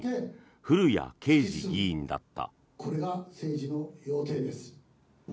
古屋圭司議員だった。